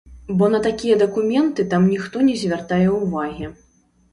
Бо на такія дакументы там ніхто не звяртае ўвагі.